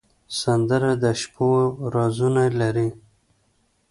سندره د شپو رازونه لري